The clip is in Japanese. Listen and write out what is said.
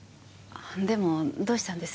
でもどうしたんです？